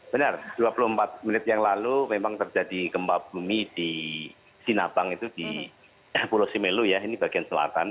benar dua puluh empat menit yang lalu memang terjadi gempa bumi di sinabang itu di pulau simelu ya ini bagian selatan